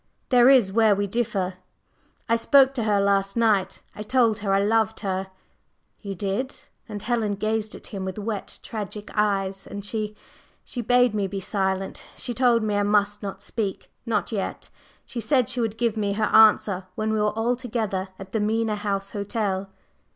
There is where we differ. I spoke to her last night, I told her I loved her." "You did?" and Helen gazed at him with wet, tragic eyes, "And she …" "She bade me be silent. She told me I must not speak not yet. She said she would give me her answer when we were all together at the Mena House Hotel."